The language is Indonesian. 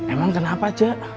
emang kenapa cik